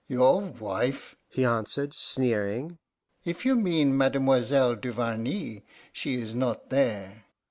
"Your wife?" he answered, sneering. "If you mean Mademoiselle Duvarney, she is not there."